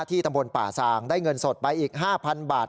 ที่ตำบลป่าซางได้เงินสดไปอีกห้าพันบาท